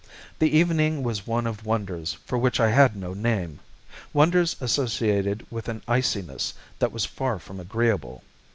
The evening was one of wonders for which I had no name wonders associated with an iciness that was far from agreeable.